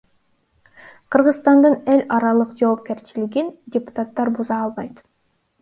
Кыргызстандын эл аралык жоопкерчилигин депутаттар буза албайт.